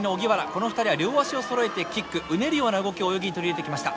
この２人は両足をそろえてキックうねるような動きを泳ぎに取り入れてきました。